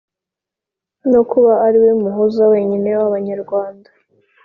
no kuba ari we muhuza wenyine w'abanyarwanda.